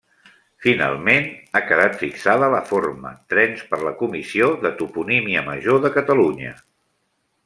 Finalment, ha quedat fixada la forma Trens per la Comissió de toponímia major de Catalunya.